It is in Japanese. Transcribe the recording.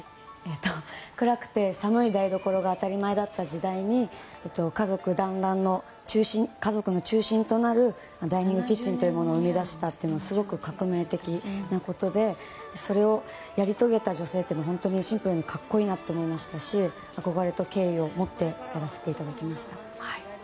暗くて寒い台所が当たり前だった時代に家族団らんの家族の中心となるダイニングキッチンを生み出したというのはすごく革命的なものでそれをやり遂げた女性というのはシンプルに格好いいなと思いましたし憧れと敬意を持ってやらせていただきました。